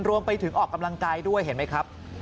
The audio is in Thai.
รวมไปถึงออกกำลังกายด้วยเห็นไหมครับ